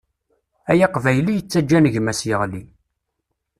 Ay Aqbayli yettaǧǧan gma-s yeɣli.